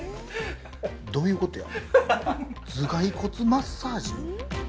どういうことや？